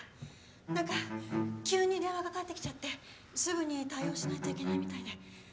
なんか急に電話掛かってきちゃってすぐに対応しないといけないみたいで。